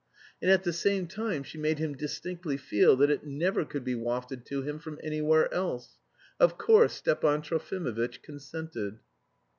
And at the same time she made him distinctly feel that it never could be wafted to him from anywhere else. Of course Stepan Trofimovitch consented.